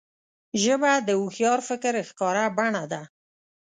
ژبه د هوښیار فکر ښکاره بڼه ده